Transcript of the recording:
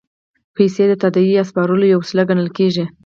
پیسې د تادیې یا سپارلو یوه وسیله ګڼل کېږي